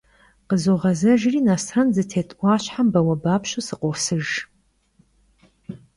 Khızoğezejjri Nesren zıtêt 'uaşhem bauebapşeu sıkhosıjj.